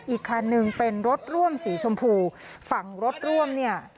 อีกคันหนึ่งเป็นรถร่วมสีชมพูฝั่งรถร่วมเนี่ย